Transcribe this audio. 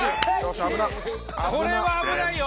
これは危ないよ！